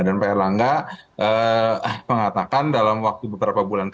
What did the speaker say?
dan pak erlangga mengatakan dalam waktu beberapa bulan